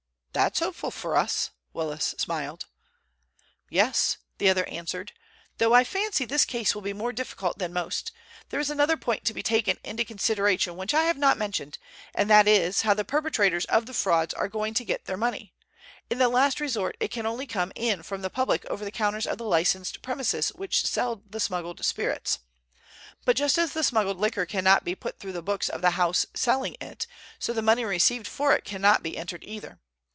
"That's hopeful for us," Willis smiled. "Yes," the other answered, "though I fancy this case will be more difficult than most. There is another point to be taken into consideration which I have not mentioned, and that is, how the perpetrators of the frauds are going to get their money. In the last resort it can only come in from the public over the counters of the licensed premises which sell the smuggled spirits. But just as the smuggled liquor cannot be put through the books of the house selling it, so the money received for it cannot be entered either.